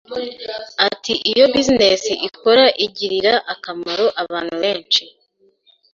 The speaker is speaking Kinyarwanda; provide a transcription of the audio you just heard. Ati Iyo bizinesi ukora igirira akamaro abantu benshi,